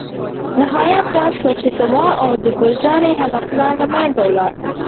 نهایت دا شو چې زما او د ګل جانې هغه پلان له منځه ولاړ.